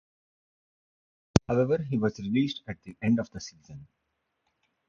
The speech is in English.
However, he was released at the end of the season.